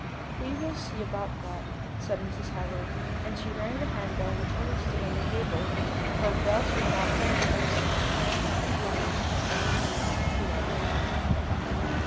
"'We will see about that,' said Mrs. Howard; and she rang the hand bell which always stood on the table, for bells were not then fixed on cranks and wires in every room as they are now.